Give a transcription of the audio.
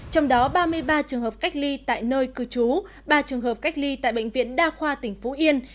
trong khi ba trường hợp cách ly tại nơi cư trú ba trường hợp cách ly tại bệnh viện đa khoa tỉnh phú yên